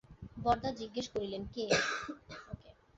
বরদা জিজ্ঞাসা করিলেন, কে?